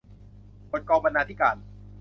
บทกองบรรณาธิการ